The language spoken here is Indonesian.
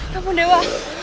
ya ampun dewa